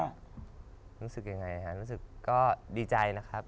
รู้สึกยังไงฮะรู้สึกก็ดีใจนะครับ